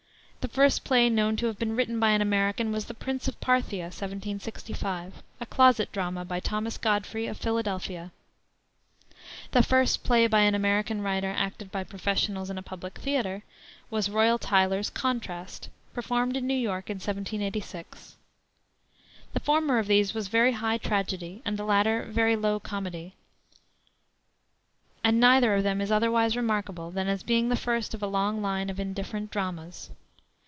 The first play known to have been written by an American was the Prince of Parthia, 1765, a closet drama, by Thomas Godfrey, of Philadelphia. The first play by an American writer, acted by professionals in a public theater, was Royal Tyler's Contrast, performed in New York in 1786. The former of these was very high tragedy, and the latter very low comedy; and neither of them is otherwise remarkable than as being the first of a long line of indifferent dramas.